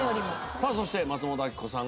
さあそして松本明子さんが。